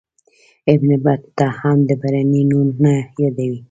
ابن بطوطه هم د برني نوم نه یادوي.